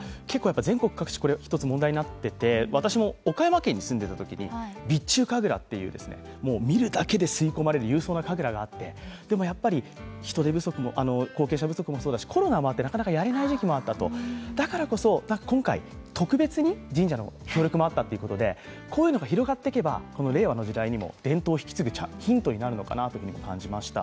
全国各地、１つ問題になっていて、私も岡山県に住んでいたときに備中神楽っていう、見るだけで吸い込まれる、勇壮な神楽があって、でも人手不足、後継者不足と、コロナもあってだからこそ、今回、特別に神社の協力もあったということで、こういうのが広がっていけば、令和の時代に、伝統を引き継ぐヒントになるんじゃないかと感じました。